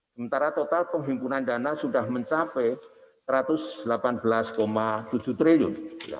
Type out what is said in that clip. sementara total penghimpunan dana sudah mencapai rp satu ratus delapan belas tujuh triliun